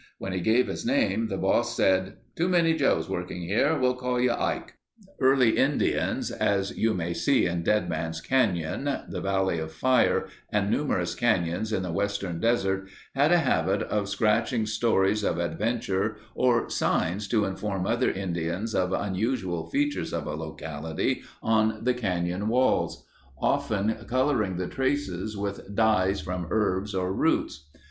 When he gave his name the boss said, "Too many Joe's working here. We'll call you Ike." Early Indians, as you may see in Dead Man's Canyon, the Valley of Fire, and numerous canyons in the western desert had a habit of scratching stories of adventure or signs to inform other Indians of unusual features of a locality on the canyon walls—often coloring the tracing with dyes from herbs or roots.